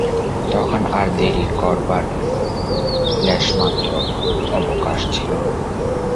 তখন আর দেরি করবার লেশমাত্র অবকাশ ছিল না।